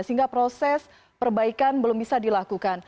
sehingga proses perbaikan belum diperbaiki